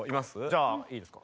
じゃあいいですか？